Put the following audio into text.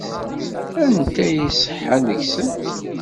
Anta ay iṣeḥḥan deg-sent?